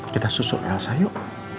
kita susuk elsa yuk